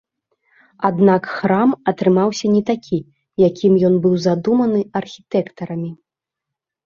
Аднак храм атрымаўся не такі, якім ён быў задуманы архітэктарамі.